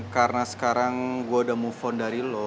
karena sekarang gue udah move on dari lo